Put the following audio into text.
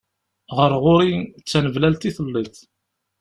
Ɣer ɣur-i d taneblalt i telliḍ.